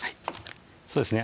そうですね